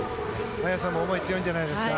綾さんも思い強いんじゃないですか？